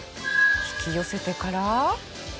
引き寄せてから。